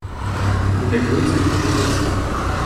In der Kürze liegt die Würze.